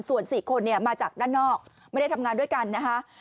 ส่วน๔คนเนี่ยมาจากด้านนอกไม่ได้ทำงานด้วยกันนะคะ